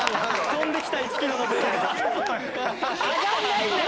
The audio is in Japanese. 飛んできた１キロのボールが。